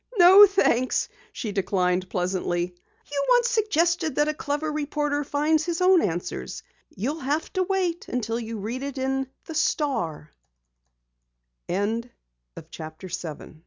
"No, thanks," she declined pleasantly. "You once suggested that a clever reporter finds his own answers. You'll have to wait until you read it in the Star!" CHAPTER 8 A CODED MESSAGE Penny sat in th